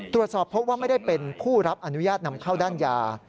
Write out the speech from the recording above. ตรวจสอบพบว่าไม่ได้เป็นผู้รับอนุญาตนำเข้าด้านยา